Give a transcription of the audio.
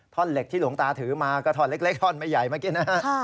ท่อนเหล็กที่หลวงตาถือมาก็ท่อนเล็กไม่ใหญ่มากิน